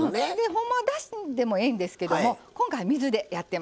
ほんまはだしでもええんですけども今回水でやってます。